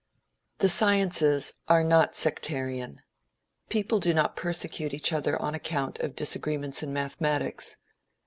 The sciences are not sectarian. People do not persecute each other on account of disagreements in mathematics.